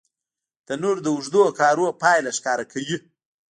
تنور د اوږدو کارونو پایله ښکاره کوي